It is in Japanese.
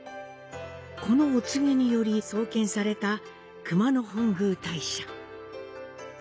このお告げにより創建された熊野本宮大社。